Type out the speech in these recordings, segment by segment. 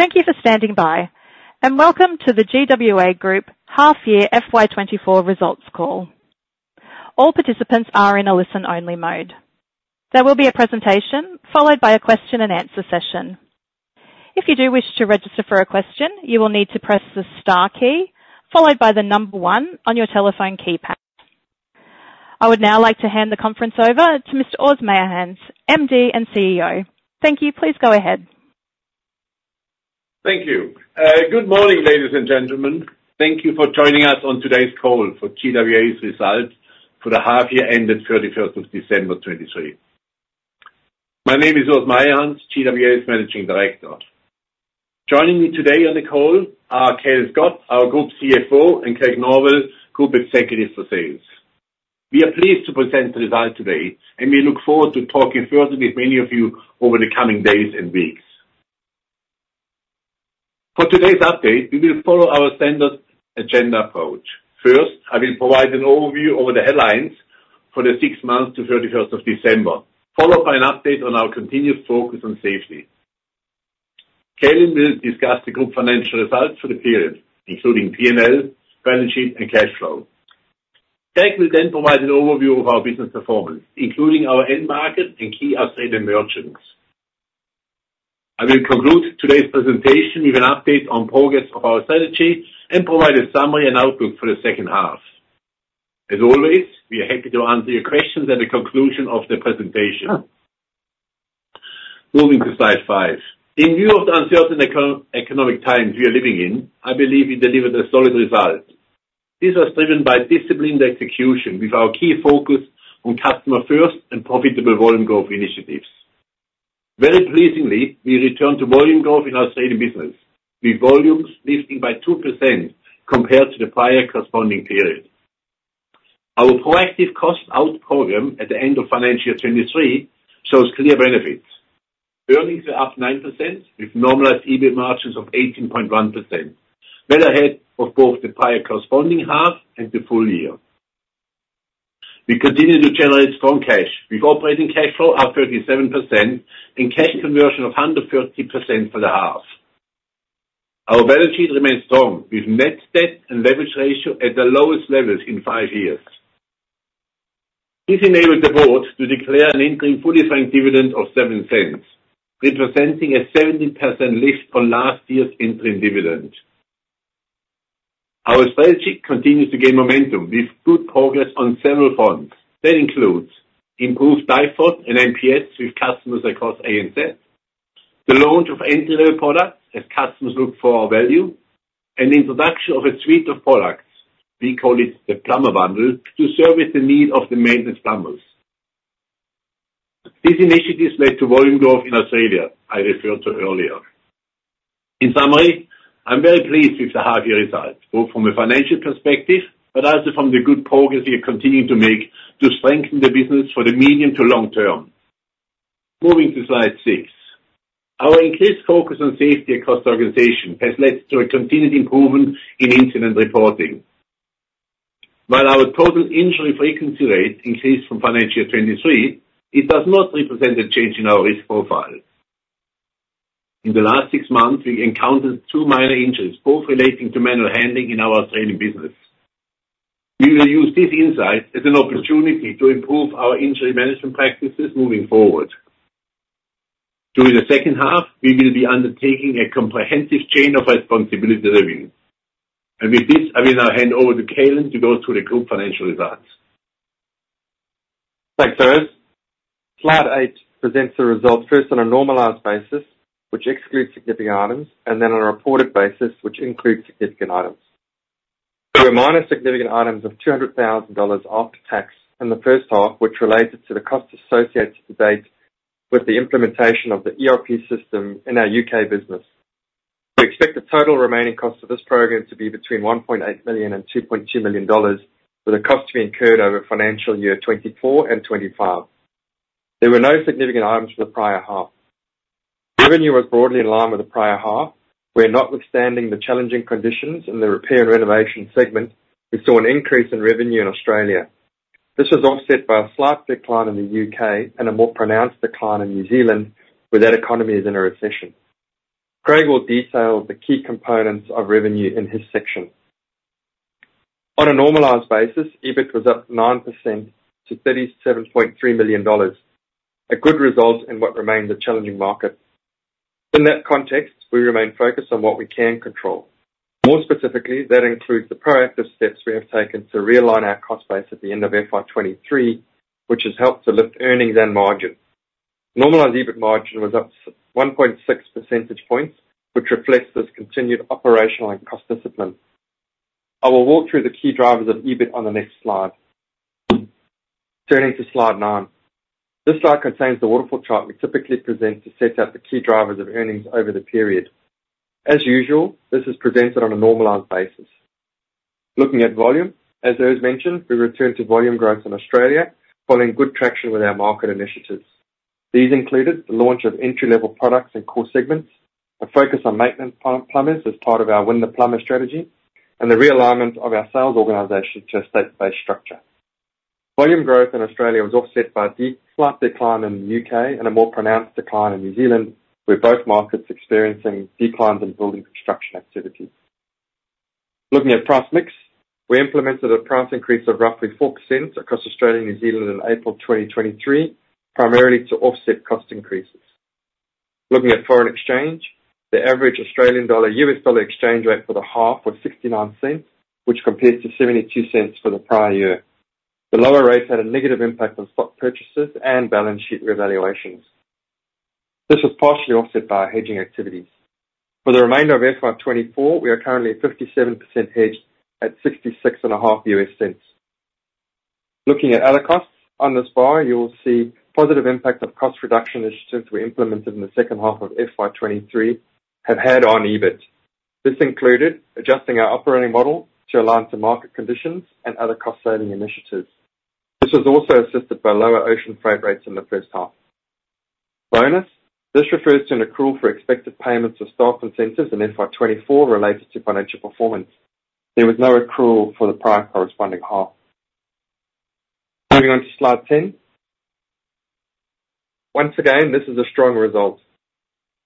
Thank you for standing by, and welcome to the GWA Group Half Year FY 2024 Results Call. All participants are in a listen-only mode. There will be a presentation, followed by a question and answer session. If you do wish to register for a question, you will need to press the star key, followed by the number one on your telephone keypad. I would now like to hand the conference over to Mr. Urs Meyerhans, MD and CEO. Thank you. Please go ahead. Thank you. Good morning, ladies and gentlemen. Thank you for joining us on today's call for GWA's results for the half year ended 31 December 2023. My name is Urs Meyerhans, GWA's Managing Director. Joining me today on the call are Calin Scott, our Group CFO, and Craig Norwell, Group Executive for Sales. We are pleased to present the results today, and we look forward to talking further with many of you over the coming days and weeks. For today's update, we will follow our standard agenda approach. First, I will provide an overview over the headlines for the six months 31 December 2023, followed by an update on our continued focus on safety. Calin will discuss the Group financial results for the period, including P&L, balance sheet, and cash flow. Craig will then provide an overview of our business performance, including our end market and key upstate merchants. I will conclude today's presentation with an update on progress of our strategy and provide a summary and outlook for the second half. As always, we are happy to answer your questions at the conclusion of the presentation. Moving to slide 5. In view of the uncertain economic times we are living in, I believe we delivered a solid result. These are driven by disciplined execution with our key focus on customer first and profitable volume growth initiatives. Very pleasingly, we returned to volume growth in our Australian business, with volumes lifting by 2% compared to the prior corresponding period. Our proactive cost out program at the end of financial year 2023 shows clear benefits. Earnings are up 9% with normalized EBIT margins of 18.1%, well ahead of both the prior corresponding half and the full year. We continue to generate strong cash, with operating cash flow up 37% and cash conversion of 130% for the half. Our balance sheet remains strong, with net debt and leverage ratio at the lowest levels in five years. This enabled the board to declare an interim fully franked dividend of 0.07, representing a 17% lift from last year's interim dividend. Our strategy continues to gain momentum with good progress on several fronts. That includes improved DIFOT and NPS with customers across ANZ, the launch of entry-level products as customers look for our value, and introduction of a suite of products, we call it the Plumber Bundle, to service the need of the maintenance plumbers. These initiatives led to volume growth in Australia, I referred to earlier. In summary, I'm very pleased with the half year results, both from a financial perspective, but also from the good progress we are continuing to make to strengthen the business for the medium to long term. Moving to slide 6. Our increased focus on safety across the organization has led to a continued improvement in incident reporting. While our total injury frequency rate increased from financial year 2023, it does not represent a change in our risk profile. In the last six months, we encountered two minor injuries, both relating to manual handling in our Australian business. We will use this insight as an opportunity to improve our injury management practices moving forward. During the second half, we will be undertaking a comprehensive chain of responsibility review. With this, I will now hand over to Calin to go through the Group financial results. Thanks, Urs. Slide 8 presents the results first on a normalized basis, which excludes significant items, and then on a reported basis, which includes significant items. There were minor significant items of 200,000 dollars after tax in the first half, which related to the cost associated to date with the implementation of the ERP system in our U.K. business. We expect the total remaining cost of this program to be between 1.8 million and 2.2 million dollars, with a cost to be incurred over financial year 2024 and 2025. There were no significant items for the prior half. Revenue was broadly in line with the prior half, where notwithstanding the challenging conditions in the repair and renovation segment, we saw an increase in revenue in Australia. This was offset by a dip, slight decline in the U.K. and a more pronounced decline in New Zealand, where that economy is in a recession. Craig will detail the key components of revenue in his section. On a normalized basis, EBIT was up 9% to 37.3 million dollars, a good result in what remains a challenging market. In that context, we remain focused on what we can control. More specifically, that includes the proactive steps we have taken to realign our cost base at the end of FY 2023, which has helped to lift earnings and margins. Normalized EBIT margin was up 1.6 percentage points, which reflects this continued operational and cost discipline. I will walk through the key drivers of EBIT on the next slide. Turning to slide 9. This slide contains the waterfall chart we typically present to set out the key drivers of earnings over the period. As usual, this is presented on a normalized basis. Looking at volume, as Urs mentioned, we returned to volume growth in Australia, following good traction with our market initiatives. These included the launch of entry-level products in core segments, a focus on maintenance plumbers as part of our Win the Plumber strategy, and the realignment of our sales organization to a state-based structure. Volume growth in Australia was offset by a deep, slight decline in the U.K. and a more pronounced decline in New Zealand, with both markets experiencing declines in building construction activity. Looking at price mix, we implemented a price increase of roughly 4% across Australia and New Zealand in April 2023, primarily to offset cost increases. Looking at foreign exchange, the average Australian dollar/US dollar exchange rate for the half was 0.69, which compares to 0.72 for the prior year. The lower rates had a negative impact on stock purchases and balance sheet revaluations. This was partially offset by our hedging activities. For the remainder of FY 2024, we are currently at 57% hedged at 0.665 US cents. Looking at other costs, on this bar, you will see positive impact of cost reduction initiatives we implemented in the second half of FY 2023 have had on EBIT. This included adjusting our operating model to align to market conditions and other cost-saving initiatives. This was also assisted by lower ocean freight rates in the first half. Bonus. This refers to an accrual for expected payments of stock incentives in FY 2024 related to financial performance. There was no accrual for the prior corresponding half. Moving on to slide 10. Once again, this is a strong result.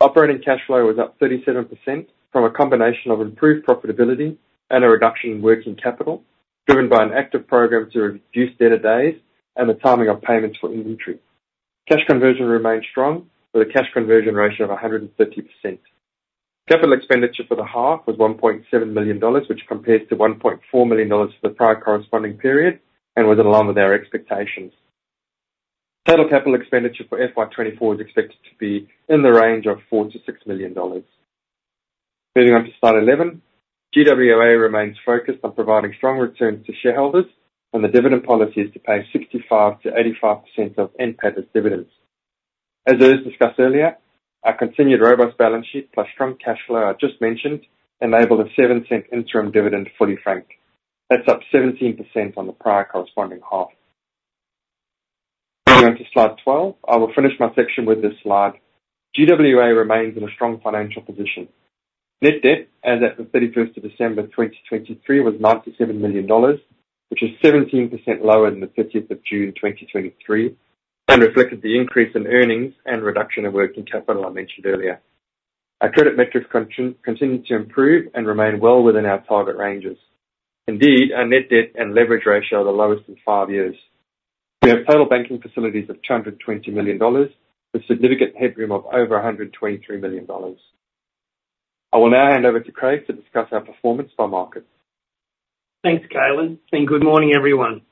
Operating cash flow was up 37% from a combination of improved profitability and a reduction in working capital, driven by an active program to reduce debtor days and the timing of payments for inventory. Cash conversion remained strong, with a cash conversion ratio of 130%. Capital expenditure for the half was 1.7 million dollars, which compares to 1.4 million dollars for the prior corresponding period and was in line with our expectations. Total capital expenditure for FY 2024 is expected to be in the range of 4 million-6 million dollars. Moving on to slide 11. GWA remains focused on providing strong returns to shareholders, and the dividend policy is to pay 65%-85% of NPAT as dividends. As Urs Meyerhans discussed earlier, our continued robust balance sheet plus strong cash flow I just mentioned, enable the 0.07 interim dividend fully franked. That's up 17% on the prior corresponding half. Moving on to slide 12. I will finish my section with this slide. GWA remains in a strong financial position. Net Debt as at the 31st of December, 2023, was AUD 97 million, which is 17% lower than the 30th of June, 2023, and reflected the increase in earnings and reduction in working capital I mentioned earlier. Our credit metrics continued to improve and remain well within our target ranges. Indeed, our net debt and leverage ratio are the lowest in five years. We have total banking facilities of 220 million dollars, with significant headroom of over 123 million dollars. I will now hand over to Craig to discuss our performance by market. Thanks, Calin, and good morning, everyone.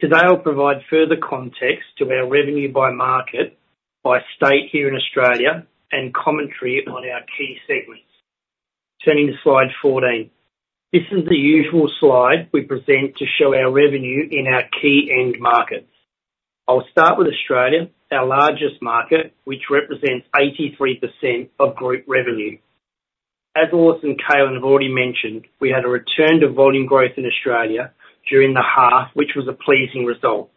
Today, I'll provide further context to our revenue by market, by state here in Australia, and commentary on our key segments. Turning to slide 14. This is the usual slide we present to show our revenue in our key end markets. I'll start with Australia, our largest market, which represents 83% of group revenue. As Urs and Calin have already mentioned, we had a return to volume growth in Australia during the half, which was a pleasing result.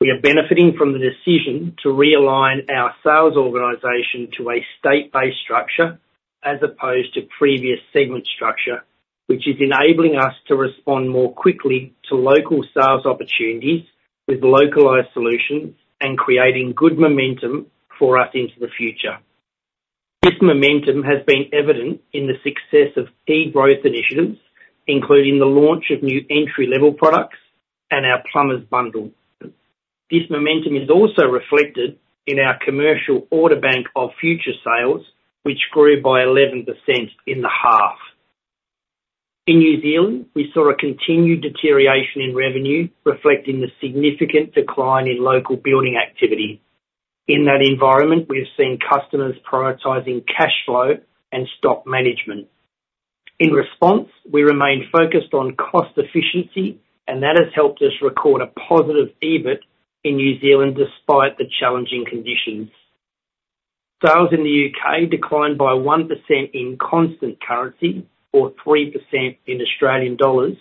We are benefiting from the decision to realign our sales organization to a state-based structure, as opposed to previous segment structure, which is enabling us to respond more quickly to local sales opportunities with localized solutions and creating good momentum for us into the future. This momentum has been evident in the success of key growth initiatives, including the launch of new entry-level products and our plumbers bundle. This momentum is also reflected in our commercial order bank of future sales, which grew by 11% in the half. In New Zealand, we saw a continued deterioration in revenue, reflecting the significant decline in local building activity. In that environment, we have seen customers prioritizing cash flow and stock management. In response, we remained focused on cost efficiency, and that has helped us record a positive EBIT in New Zealand, despite the challenging conditions. Sales in the U.K. declined by 1% in constant currency, or 3% in AUD,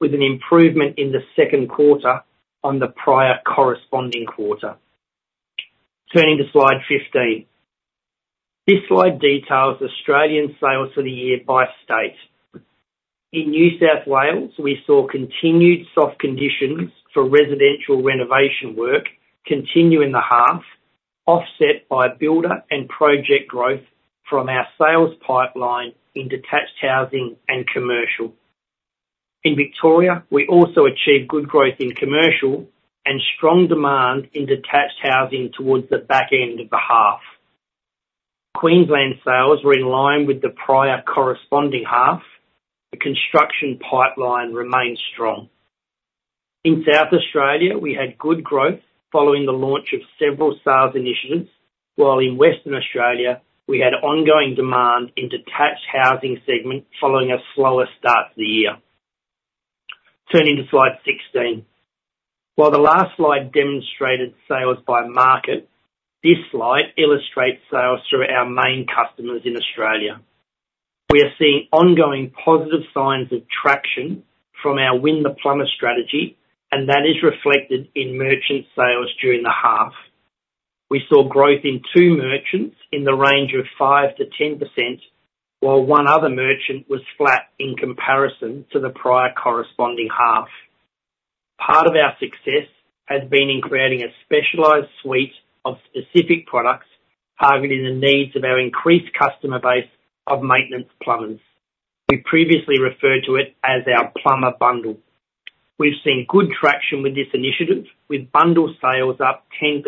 with an improvement in the second quarter on the prior corresponding quarter. Turning to slide 15. This slide details Australian sales for the year by state. In New South Wales, we saw continued soft conditions for residential renovation work continue in the half, offset by builder and project growth from our sales pipeline in detached housing and commercial. In Victoria, we also achieved good growth in commercial and strong demand in detached housing towards the back end of the half. Queensland sales were in line with the prior corresponding half. The construction pipeline remains strong. In South Australia, we had good growth following the launch of several sales initiatives, while in Western Australia, we had ongoing demand in detached housing segment, following a slower start to the year. Turning to slide 16. While the last slide demonstrated sales by market, this slide illustrates sales through our main customers in Australia. We are seeing ongoing positive signs of traction from our Win the Plumber strategy, and that is reflected in merchant sales during the half.... We saw growth in 2 merchants in the range of 5%-10%, while 1 other merchant was flat in comparison to the prior corresponding half. Part of our success has been in creating a specialized suite of specific products, targeting the needs of our increased customer base of maintenance plumbers. We previously referred to it as our Plumber Bundle. We've seen good traction with this initiative, with bundle sales up 10%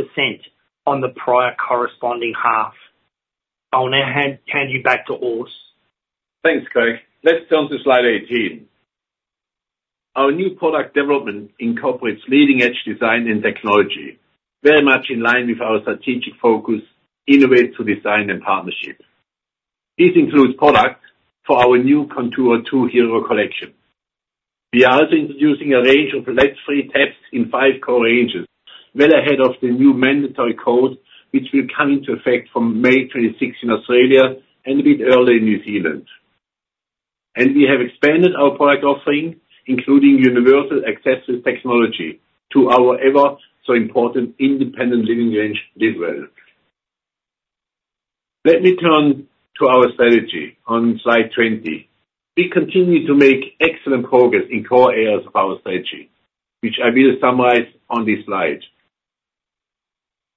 on the prior corresponding half. I will now hand you back to Urs. Thanks, Craig. Let's turn to slide 18. Our new product development incorporates leading-edge design and technology, very much in line with our strategic focus, innovate through design and partnerships. This includes products for our new Contour II hero collection. We are also introducing a range of lead-free taps in five core ranges, well ahead of the new mandatory code, which will come into effect from May 2026 in Australia and a bit earlier in New Zealand. We have expanded our product offering, including universal accessible technology, to our ever so important independent living range, LiveWell. Let me turn to our strategy on slide 20. We continue to make excellent progress in core areas of our strategy, which I will summarize on this slide.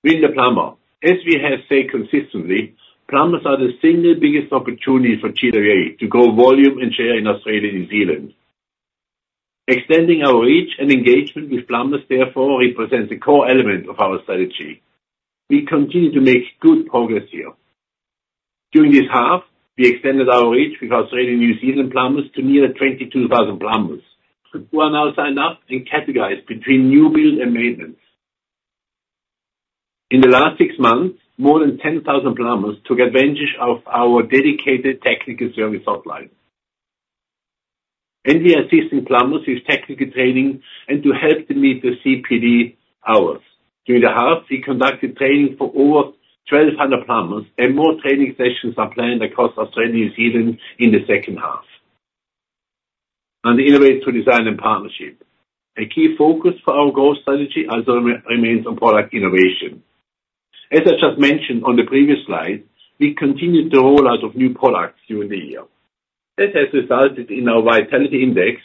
Win the Plumber. As we have said consistently, plumbers are the single biggest opportunity for GWA to grow volume and share in Australia and New Zealand. Extending our reach and engagement with plumbers, therefore, represents a core element of our strategy. We continue to make good progress here. During this half, we extended our reach with Australian and New Zealand plumbers to nearly 22,000 plumbers, who are now signed up and categorized between new build and maintenance. In the last six months, more than 10,000 plumbers took advantage of our dedicated technical service hotline. And we are assisting plumbers with technical training and to help them meet the CPD hours. During the half, we conducted training for over 1,200 plumbers, and more training sessions are planned across Australia and New Zealand in the second half. On the innovate to design and partnership. A key focus for our growth strategy also remains on product innovation. As I just mentioned on the previous slide, we continued the rollout of new products during the year. This has resulted in our Vitality Index,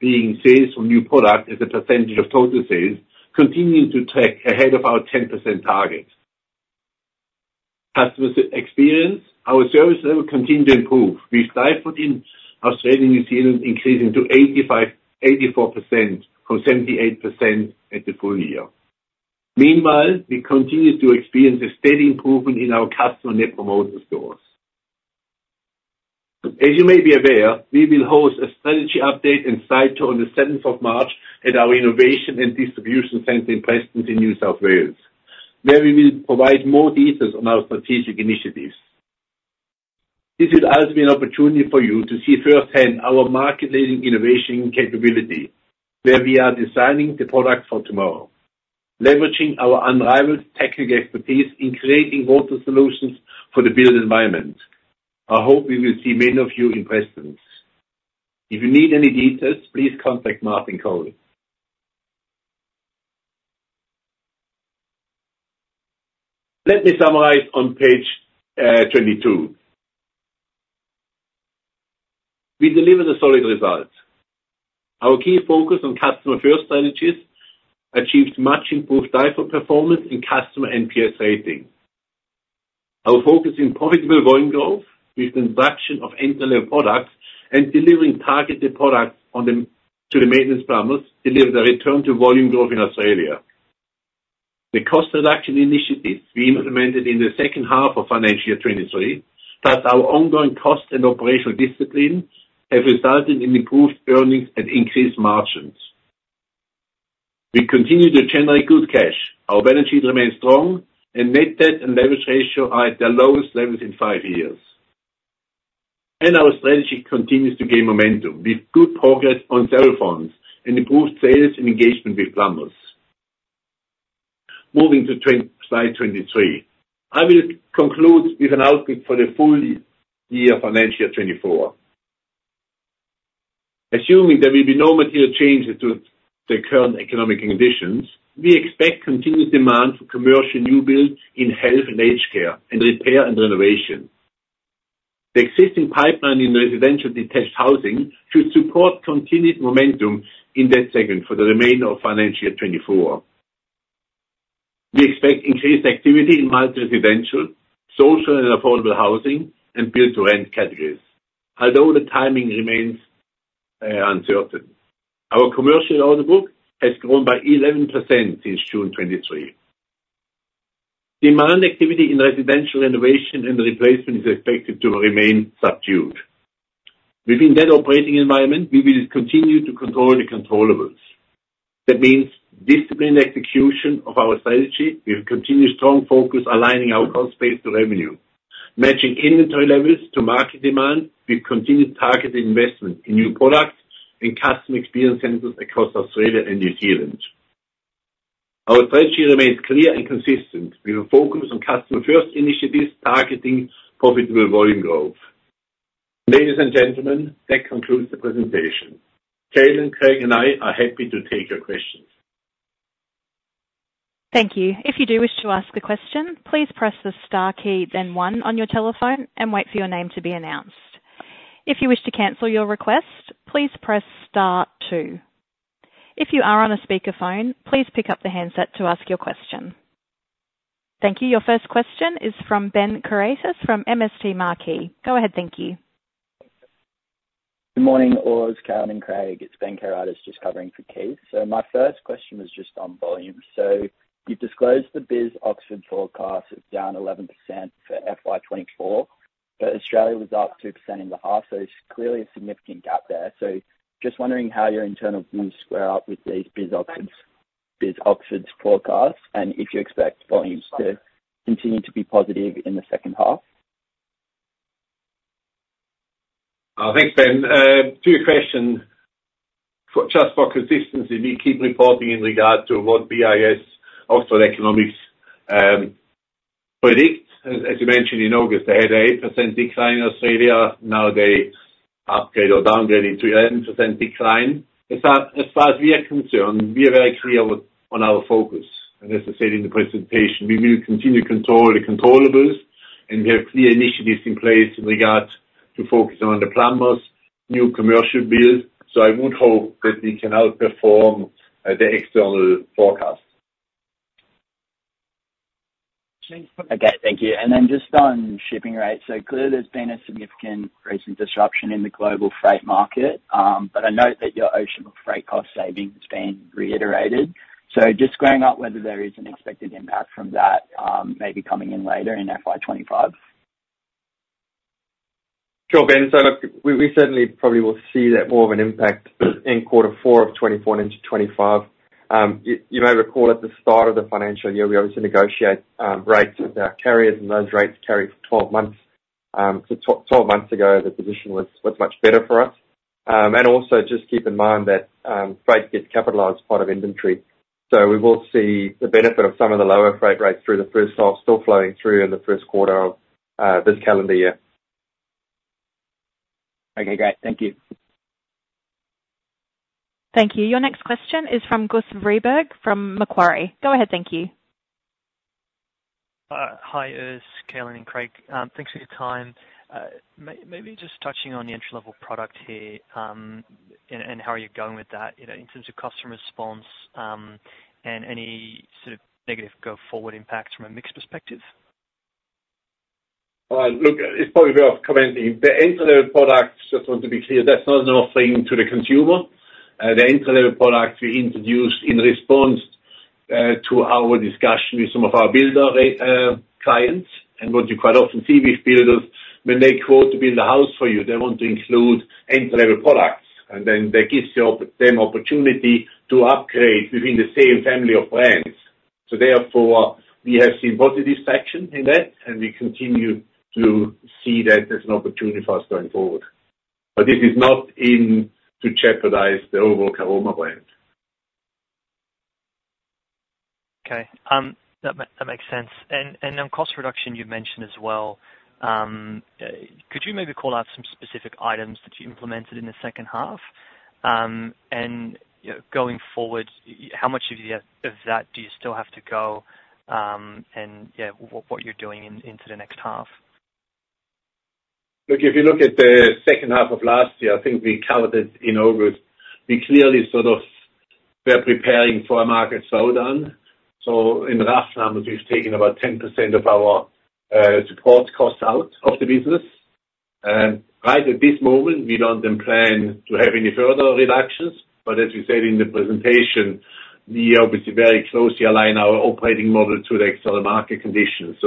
being sales from new product as a percentage of total sales, continuing to track ahead of our 10% target. Customer experience, our service levels continue to improve. We've DIFOT in Australia and New Zealand, increasing to 84% from 78% at the full year. Meanwhile, we continue to experience a steady improvement in our customer net promoter scores. As you may be aware, we will host a strategy update and site tour on the seventh of March at our innovation and distribution center in Prestons, in New South Wales, where we will provide more details on our strategic initiatives. This will also be an opportunity for you to see firsthand our market-leading innovation capability, where we are designing the products for tomorrow, leveraging our unrivaled technical expertise in creating water solutions for the built environment. I hope we will see many of you in Prestons. If you need any details, please contact Martin Cole. Let me summarize on page 22. We delivered the solid results. Our key focus on customer-first strategies achieved much improved driver performance and customer NPS ratings. Our focus in profitable volume growth with the introduction of end-to-end products and delivering targeted products on the, to the maintenance plumbers, delivered a return to volume growth in Australia. The cost reduction initiatives we implemented in the second half of financial year 2023, plus our ongoing cost and operational discipline, have resulted in improved earnings and increased margins. We continue to generate good cash. Our balance sheet remains strong, and net debt and leverage ratio are at their lowest levels in 5 years. Our strategy continues to gain momentum, with good progress on several fronts and improved sales and engagement with plumbers. Moving to slide 23. I will conclude with an outlook for the full year, financial year 2024. Assuming there will be no material changes to the current economic conditions, we expect continued demand for commercial new builds in health and aged care, and repair and renovation. The existing pipeline in residential detached housing should support continued momentum in that segment for the remainder of financial year 2024. We expect increased activity in multi-residential, social and affordable housing, and build-to-rent categories, although the timing remains uncertain. Our commercial order book has grown by 11% since June 2023. Demand activity in residential renovation and replacement is expected to remain subdued. Within that operating environment, we will continue to control the controllables. That means disciplined execution of our strategy with continued strong focus, aligning our cost base to revenue, matching inventory levels to market demand. We've continued targeted investment in new products and customer experience centers across Australia and New Zealand. Our strategy remains clear and consistent. We are focused on customer-first initiatives, targeting profitable volume growth.... Ladies and gentlemen, that concludes the presentation. Calin, Craig, and I are happy to take your questions. Thank you. If you do wish to ask a question, please press the star key, then one on your telephone and wait for your name to be announced. If you wish to cancel your request, please press star two. If you are on a speakerphone, please pick up the handset to ask your question. Thank you. Your first question is from Ben Kairaitis from MST Marquee. Go ahead, thank you. Good morning, Urs, Calin, and Craig. It's Ben Kairaitis, just covering for Keith. So my first question was just on volume. So you've disclosed the BIS Oxford Economics' forecast is down 11% for FY 2024, but Australia was up 2% in the half, so clearly a significant gap there. So just wondering how your internal views square up with these Economics' forecast, and if you expect volumes to continue to be positive in the second half? Thanks, Ben. To your question, just for consistency, we keep reporting in regard to what BIS Oxford Economics' predict. As you mentioned, in August, they had an 8% decline in Australia. Now they upgrade or downgrade it to 11% decline. As far as we are concerned, we are very clear with on our focus, and as I said in the presentation, we will continue to control the controllables, and we have clear initiatives in place in regard to focus on the plumbers, new commercial builds. So I would hope that we can outperform the external forecast. Okay, thank you. And then just on shipping rates, so clearly there's been a significant recent disruption in the global freight market, but I note that your ocean freight cost saving has been reiterated. So just going up, whether there is an expected impact from that, maybe coming in later in FY 25? Sure, Ben. So look, we, we certainly probably will see that more of an impact in quarter four of 2024 into 2025. You may recall at the start of the financial year, we obviously negotiate rates with our carriers, and those rates carry for 12 months. So twelve months ago, the position was, was much better for us. And also, just keep in mind that, freight gets capitalized part of inventory, so we will see the benefit of some of the lower freight rates through the first half still flowing through in the first quarter of this calendar year. Okay, great. Thank you. Thank you. Your next question is from Guus Vreeburg, from Macquarie. Go ahead, thank you. Hi, Urs, Calin, and Craig. Thanks for your time. Maybe just touching on the entry-level product here, and how are you going with that, you know, in terms of customer response, and any sort of negative go-forward impact from a mix perspective? Well, look, it's probably worth commenting. The entry-level products, just want to be clear, that's not an offering to the consumer. The entry-level products we introduced in response to our discussion with some of our builder clients. What you quite often see with builders, when they quote to build a house for you, they want to include entry-level products, and then that gives them opportunity to upgrade within the same family of brands. So therefore, we have seen positive traction in that, and we continue to see that as an opportunity for us going forward. But this is not intended to jeopardize the overall Caroma brand. Okay. That makes sense. And on cost reduction, you mentioned as well, could you maybe call out some specific items that you implemented in the second half? And, you know, going forward, how much of you, of that do you still have to go, and yeah, what, what you're doing in, into the next half? Look, if you look at the second half of last year, I think we covered it in August. We clearly sort of were preparing for a market slowdown, so in rough numbers, we've taken about 10% of our support costs out of the business. Right at this moment, we don't then plan to have any further reductions, but as we said in the presentation, we obviously very closely align our operating model to the external market conditions.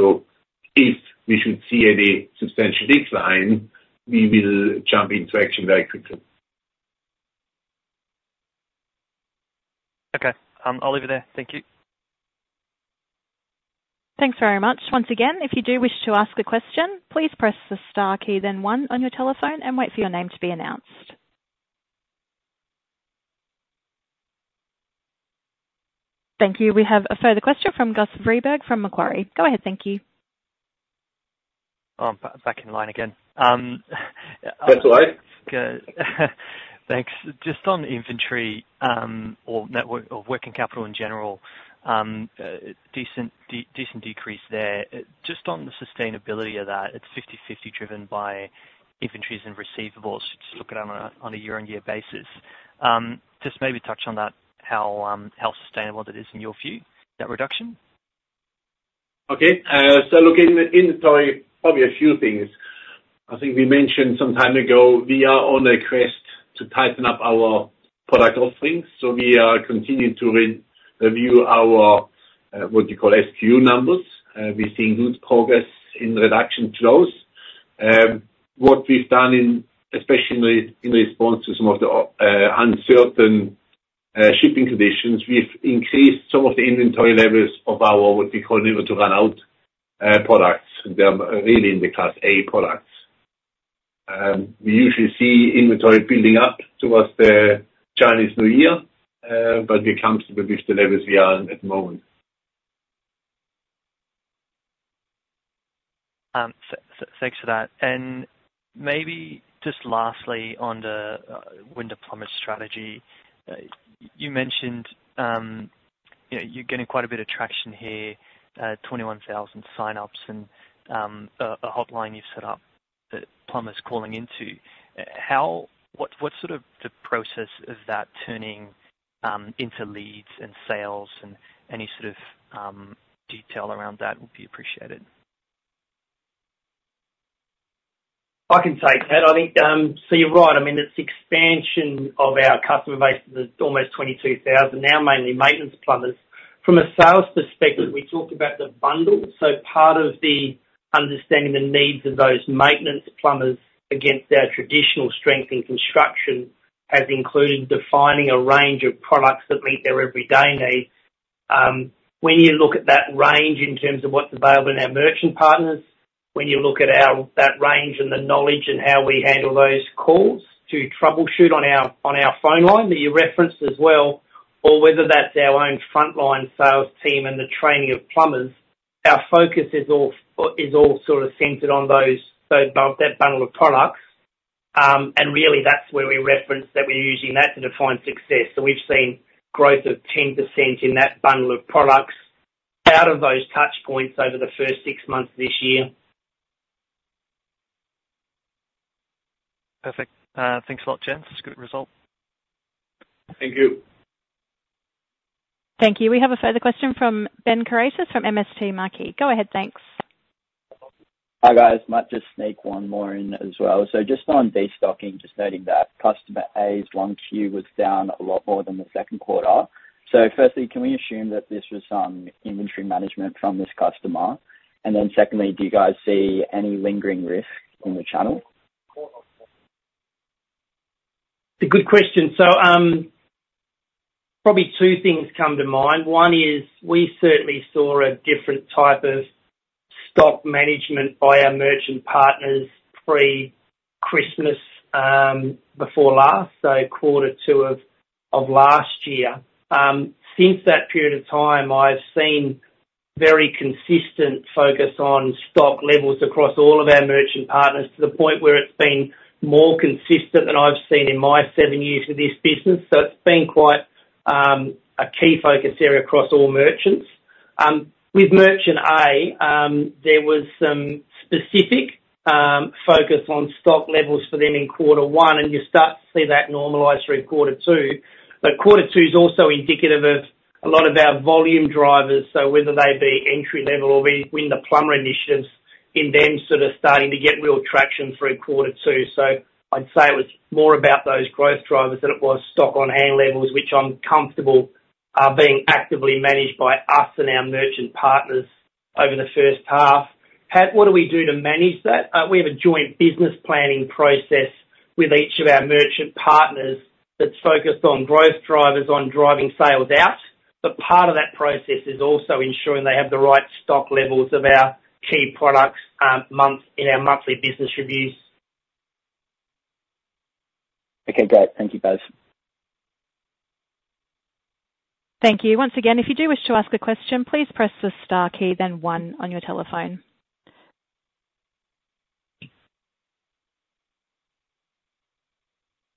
If we should see any substantial decline, we will jump into action very quickly. Okay, I'll leave it there. Thank you. Thanks very much. Once again, if you do wish to ask a question, please press the star key, then one on your telephone and wait for your name to be announced. Thank you. We have a further question from Guus Vreeburg from Macquarie. Go ahead, thank you. I'm back in line again, That's all right. Good. Thanks. Just on inventory, or working capital in general, decent decrease there. Just on the sustainability of that, it's 50/50, driven by inventories and receivables, just look at year-on-year basis. Just maybe touch on that, how sustainable it is in your view, that reduction? Okay. So look, in the inventory, probably a few things. I think we mentioned some time ago, we are on a quest to tighten up our product offerings, so we are continuing to review our, what you call SKU numbers. We're seeing good progress in reduction flows. What we've done in, especially in response to some of the uncertain shipping conditions, we've increased some of the inventory levels of our, what we call delete to run out products. They are really in the class A products. We usually see inventory building up towards the Chinese New Year, but we're comfortable with the levels we are at the moment. Thanks for that. And maybe just lastly, on the Win the Plumber strategy, you mentioned, you know, you're getting quite a bit of traction here, 21,000 signups and a hotline you've set up that plumbers calling into. How—what's sort of the process of that turning into leads and sales? And any sort of detail around that would be appreciated. I can take that. I think, so you're right. I mean, it's expansion of our customer base is almost 22,000 now, mainly maintenance plumbers. From a sales perspective, we talked about the bundle. So part of the understanding the needs of those maintenance plumbers against our traditional strength in construction, has included defining a range of products that meet their everyday needs. When you look at that range in terms of what's available in our merchant partners, when you look at how that range and the knowledge, and how we handle those calls to troubleshoot on our, on our phone line, that you referenced as well, or whether that's our own frontline sales team and the training of plumbers, our focus is all is all sort of centered on those, so that bundle of products. And really, that's where we reference that we're using that to define success. So we've seen growth of 10% in that bundle of products out of those touchpoints over the first six months of this year. Perfect. Thanks a lot, Guus. It's a good result. Thank you. Thank you. We have a further question from Ben Kairaitis from MST Marquee. Go ahead, thanks. Hi, guys. Might just sneak one more in as well. So just on destocking, just noting that customer A's 1Q was down a lot more than the second quarter. So firstly, can we assume that this was some inventory management from this customer? And then secondly, do you guys see any lingering risk in the channel? It's a good question. So, probably two things come to mind. One is, we certainly saw a different type of stock management by our merchant partners pre-Christmas, before last, so quarter two of last year. Since that period of time, I've seen very consistent focus on stock levels across all of our merchant partners, to the point where it's been more consistent than I've seen in my seven years of this business. So it's been quite a key focus area across all merchants. With merchant A, there was some specific focus on stock levels for them in quarter one, and you start to see that normalize through quarter two. But quarter two is also indicative of a lot of our volume drivers, so whether they be entry level or Win the Plumber initiatives, in them sort of starting to get real traction through quarter two. So I'd say it was more about those growth drivers than it was stock on hand levels, which I'm comfortable being actively managed by us and our merchant partners over the first half. How-- What do we do to manage that? We have a joint business planning process with each of our merchant partners, that's focused on growth drivers, on driving sales out. But part of that process is also ensuring they have the right stock levels of our key products month in our monthly business reviews. Okay, great. Thank you, both. Thank you. Once again, if you do wish to ask a question, please press the star key, then one on your telephone.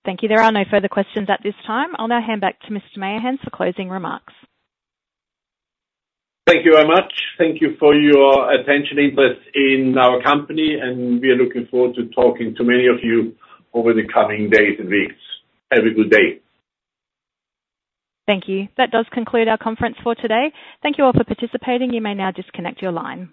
Thank you. There are no further questions at this time. I'll now hand back to Mr. Meyerhans for closing remarks. Thank you very much. Thank you for your attention and interest in our company, and we are looking forward to talking to many of you over the coming days and weeks. Have a good day. Thank you. That does conclude our conference for today. Thank you all for participating. You may now disconnect your line.